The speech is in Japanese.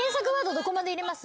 どこまで入れます？